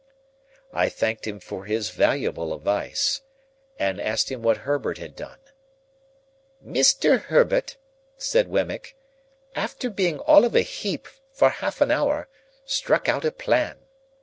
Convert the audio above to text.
I thanked him for his valuable advice, and asked him what Herbert had done? "Mr. Herbert," said Wemmick, "after being all of a heap for half an hour, struck out a plan.